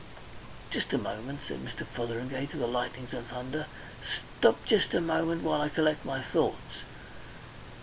"Just a moment," said Mr. Fotheringay to the lightnings and thunder. "Stop jest a moment while I collect my thoughts...